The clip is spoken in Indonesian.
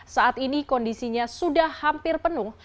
saat ini kondisinya sudah hampir penuh